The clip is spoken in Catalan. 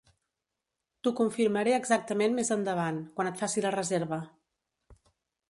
T'ho confirmaré exactament més endavant, quan et faci la reserva.